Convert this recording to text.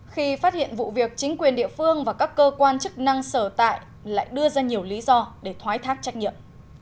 khi phát hiện vụ việc chính quyền địa phương và các cơ quan chức năng sở tại lại đưa ra nhiều lý do để thoái thác trách nhiệm